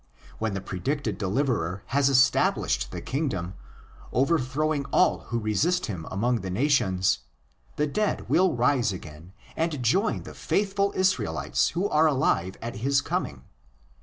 When the predicted deliverer has established the kingdom, overthrowing all who resist him among "' the nations," the dead will rise again and join the faithful Israelites who are alive at hiscoming.